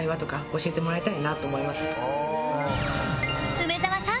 梅沢さん